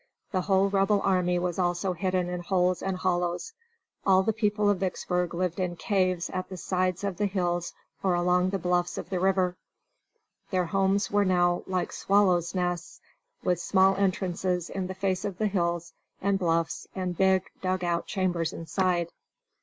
The whole Rebel army was also hidden in holes and hollows. All the people of Vicksburg lived in caves at the sides of the hills or along the bluffs of the river. Their homes now were like swallows' nests, with small entrances in the face of hills and bluffs and big, dug out chambers inside.